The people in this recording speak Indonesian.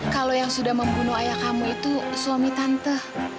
kalau yang sudah membunuh ayah kamu itu suami tante